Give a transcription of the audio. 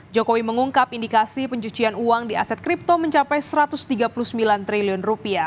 jokowi mengungkap indikasi pencucian uang di aset kripto mencapai rp satu ratus tiga puluh sembilan triliun